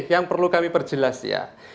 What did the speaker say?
yang perlu kami perjelas ya